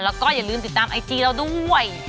แล้วก็อย่าลืมติดตามไอจีเราด้วย